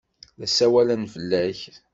La ssawalen fell-ak.